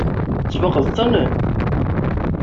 Tesfeqdeḍ-ten?